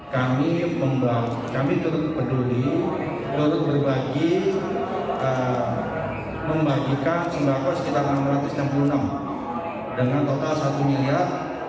kami membangun kami turut peduli turut berbagi membagikan sembako sekitar rp enam ratus enam puluh enam dengan total satu miliar